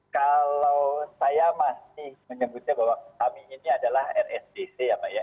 kalau saya masih menyebutnya bahwa kami ini adalah rsdc ya pak ya